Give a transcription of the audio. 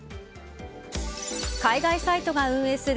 海外サイトが運営する